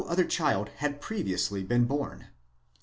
145 other child had previously been born.